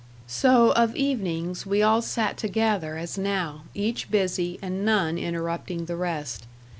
So, of evenings, we all sat together as now, each busy, and none interrupting the rest.